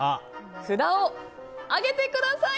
札を上げてください！